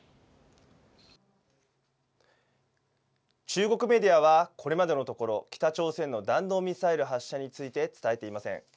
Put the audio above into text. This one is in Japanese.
中国メディアは、これまでのところ、北朝鮮の弾道ミサイル発射について、伝えていません。